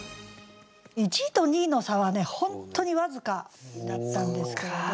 １位と２位の差は本当に僅かだったんですけれど。